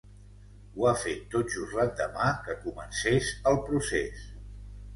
Ho ha fet tot just l’endemà que comencés el procés.